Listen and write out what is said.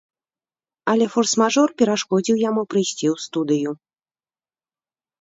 Але форс-мажор перашкодзіў яму прыйсці ў студыю.